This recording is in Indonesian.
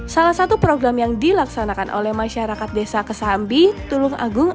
salah satu program yang dilaksanakan oleh masyarakat desa kesambi tulung agung